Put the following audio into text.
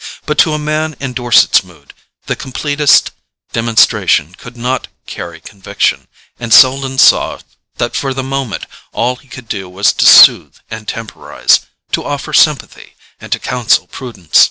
But to a man in Dorset's mood the completest demonstration could not carry conviction, and Selden saw that for the moment all he could do was to soothe and temporize, to offer sympathy and to counsel prudence.